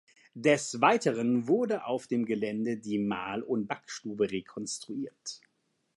Des Weiteren wurden auf dem Gelände die Mahl- und Backstube rekonstruiert.